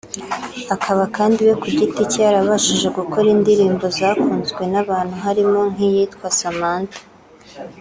akaba kandi we ku giti cye yarabashije gukora indirimbo zakunzwe n’abantu harimo nk’iyitwa Samantha